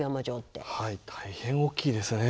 はい大変大きいですね。